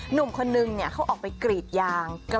หนุ่มคนนึงเค้าออกไปกรีดยาง๑๕๐๐๐๐ดำน้ำ